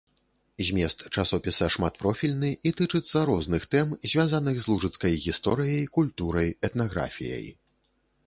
Змест часопіса шматпрофільны і тычыцца розных тэм, звязаных з лужыцкай гісторыяй, культурай, этнаграфіяй.